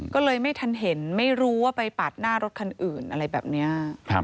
ก็เลยไม่ทันเห็นไม่รู้ว่าไปปาดหน้ารถคันอื่นอะไรแบบนี้